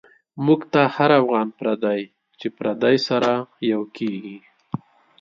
موږ ته هر افغان پردی، چی پردی سره یو کیږی